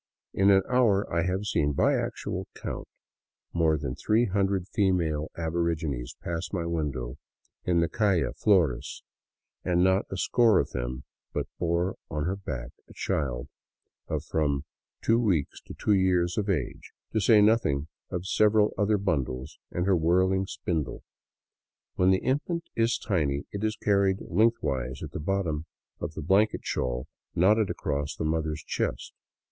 In an hour I have seen, by actual count, more than three hundred female aborigines pass my window in the calle Flores, and not a score of them but bore on her back a child of from two weeks to two years of age, to say nothing of several other bundles and her whirling spindle. When the infant is tiny, it is carried length wise at the bottom of the blanket shawl knotted across the mother's chest.